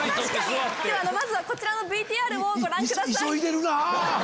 まずはこちらのＶＴＲをご覧ください。